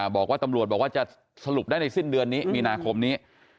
บอกว่าตำรวจบอกว่าจะสรุปได้ในสิ้นเดือนนี้มีนาคมนี้